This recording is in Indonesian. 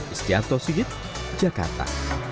istiarto sigit jakarta